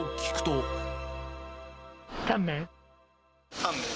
タンメン。